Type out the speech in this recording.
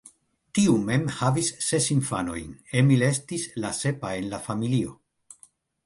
Tiu mem havis ses infanojn, Emil estis la sepa en la familio.